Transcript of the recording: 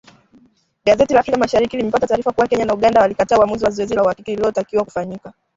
Gazeti la Afrika Mashariki limepata taarifa kuwa Kenya na Uganda walikataa uamuzi wa zoezi la uhakiki lililotakiwa kufanyika